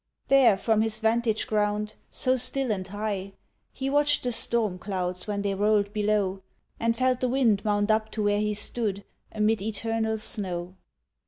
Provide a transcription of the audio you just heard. There from his vantage ground, so still and high, He watched the storm clouds when they rolled below, And felt the wind mount up to where he stood Amid eternal snow.